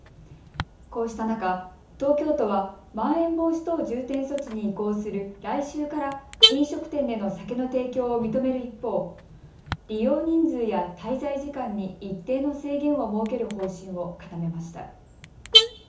こうした中、東京都は、まん延防止等重点措置に移行する来週から飲食店での酒の提供を認める一方、利用人数や滞在時間に一定の制限を設ける方針を固めました。